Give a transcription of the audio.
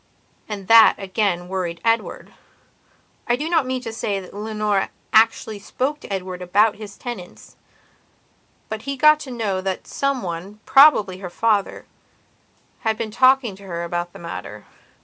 And that, again, worried Edward. I do not mean to say that Leonora actually spoke to Edward about his tenantsbut he got to know that some one, probably her father, had been talking to her about the matter.